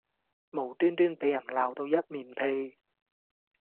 無端端俾人鬧到一面屁